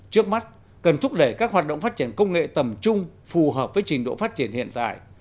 trước mắt cần thúc đẩy các hoạt động phát triển công nghệ tầm trung phù hợp với trình độ phát triển hiện đại